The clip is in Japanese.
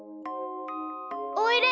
おいで！